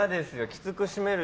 きつく閉める。